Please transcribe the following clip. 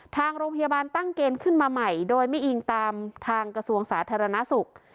ทางโรงพยาบาลตั้งเกณฑ์ขึ้นมาใหม่โดยไม่อิงตามทางกระทรวงสาธารณสุข